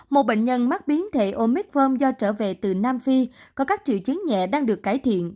một bệnh nhân mắc biến thể omitrom do trở về từ nam phi có các triệu chứng nhẹ đang được cải thiện